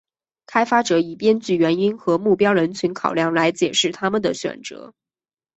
开发者以编剧原因和目标人群考量来解释他们的选择。